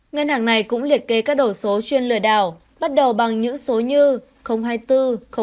ngân hàng này cũng liệt kê các đổ số chuyên lừa đảo bắt đầu bằng những số như hai mươi bốn hai mươi tám năm mươi chín